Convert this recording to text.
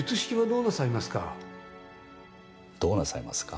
「どうなさいますか？」。